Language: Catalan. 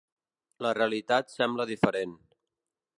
La realitat sembla diferent.